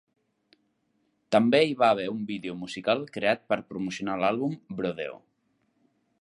També hi va haver un vídeo musical creat per promocionar l'àlbum, "Brodeo".